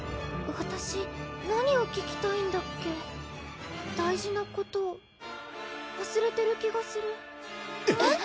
わたし何を聞きたいんだっけ大事なことわすれてる気がするえっ？